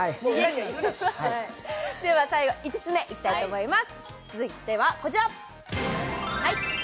最後に５つ目、いきたいと思います。